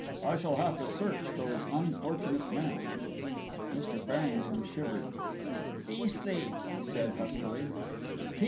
"I shall have to search those unfortunate men." Mr. Farrington shivered. "Beastly," he said, huskily.